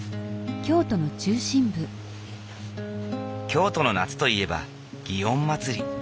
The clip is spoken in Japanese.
京都の夏といえば園祭。